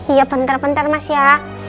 iya bentar bentar mas ya